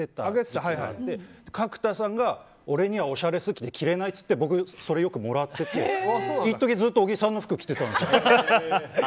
それで角田さんが俺にはおしゃれすぎて着れないって言って僕、もらってて一時、ずっと小木さんの服を着てたんですよ。